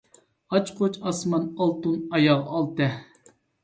ئاچقۇچ، ئاسمان، ئالتۇن، ئاياغ، ئالتە.